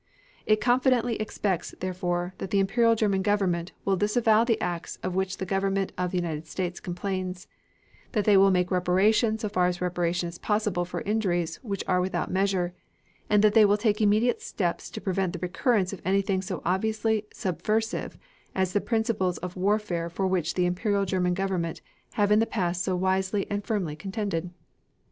It confidently expects, therefore, that the Imperial German Government will disavow the acts of which the Government of the United States complains; that they will make reparation so far as reparation is possible for injuries which are without measure, and that they will take immediate steps to prevent the recurrence of anything so obviously subversive of the principles of warfare for which the Imperial German Government have in the past so wisely and so firmly contended.